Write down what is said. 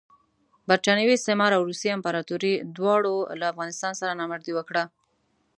برټانوي استعمار او روسي امپراطوري دواړو له افغانستان سره نامردي وکړه.